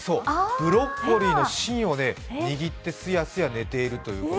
ブロッコリーの芯を握ってすやすや寝ているという。